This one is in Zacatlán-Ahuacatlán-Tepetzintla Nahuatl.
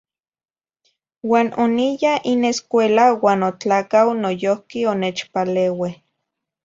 Uan oniya in escuela uan notlacauh noyohqui onechpaleue.